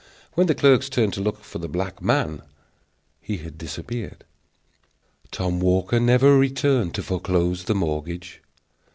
When the clerks turned to look for the black man, he had disappeared. Tom Walker never returned to foreclose the mortgage.